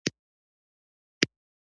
د پیسو د پاچا او شواب یکشنبې ناسته وشوه